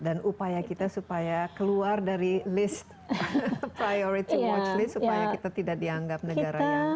dan upaya kita supaya keluar dari list priority watch list supaya kita tidak dianggap negara yang